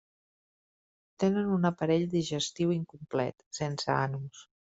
Tenen un aparell digestiu incomplet, sense anus.